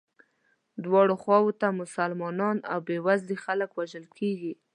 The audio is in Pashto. دواړو خواوو ته مسلمانان او بیوزلي خلک وژل کېدل.